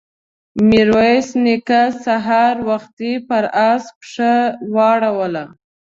ميرويس نيکه سهار وختي پر آس پښه واړوله.